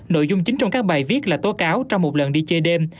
nội dung chính trong các bài viết là tố cáo trong một lần đi chơi đêm